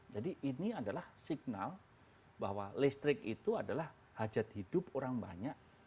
jadi ini adalah signal bahwa listrik itu adalah hajat hidup orang banyak